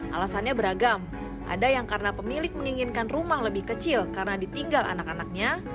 alasannya beragam ada yang karena pemilik menginginkan rumah lebih kecil karena ditinggal anak anaknya